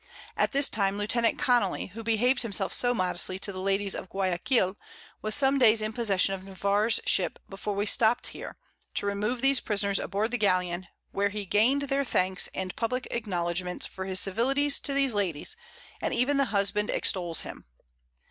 At this time Lieut. Connely, who behav'd himself so modestly to the Ladies of Guiaquil, was some days in possession of Navarre's Ship before we stopt here, to remove these Prisoners aboard the Galleon, where he gain'd their Thanks and publick Acknowledgments for his Civilities to these Ladies, and even the Husband extols him.